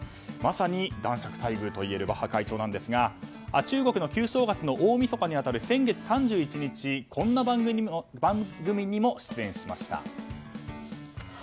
まさに、男爵待遇といえるバッハ会長ですが中国の旧正月の大みそかに当たる先月３１日こんな番組にも出演しました。